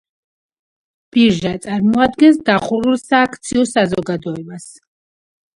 ბირჟა წარმოადგენს დახურულ სააქციო საზოგადოებას.